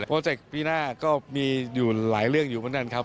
เจคปีหน้าก็มีอยู่หลายเรื่องอยู่เหมือนกันครับ